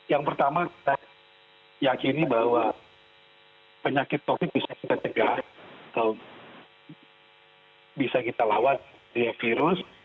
yang pertama kita yakini bahwa penyakit covid bisa kita cegah atau bisa kita lawat virus